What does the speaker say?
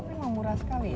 kalau memang murah sekali ya